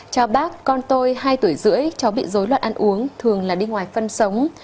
chào bác con tôi hai tuổi rưỡi cháu bị dối loạt ăn uống thường là đi ngoài phân sống